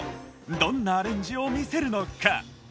どんなアレンジを見せるのか？